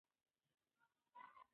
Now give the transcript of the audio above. موږ به تر هغه وخته ډېر څه زده کړي وي.